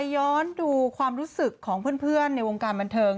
ย้อนดูความรู้สึกของเพื่อนในวงการบันเทิง